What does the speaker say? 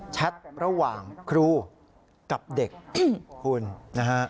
แท็ตระหว่างครูกับเด็กคุณนะฮะ